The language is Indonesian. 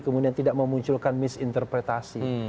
kemudian tidak memunculkan misinterpretasi